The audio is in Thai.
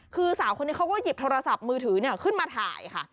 คือสาวคนนี้เขาก็หยิบโทรศัพท์มือถือขึ้นมาถ่ายค่ะ